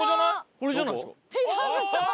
これじゃないですか？